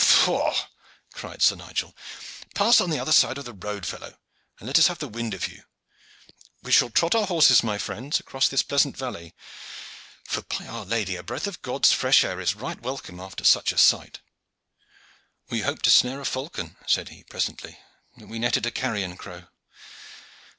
"Faugh!" cried Sir Nigel. "Pass on the other side of the road, fellow, and let us have the wind of you. We shall trot our horses, my friends, across this pleasant valley, for, by Our Lady! a breath of God's fresh air is right welcome after such a sight." "We hoped to snare a falcon," said he presently, "but we netted a carrion crow.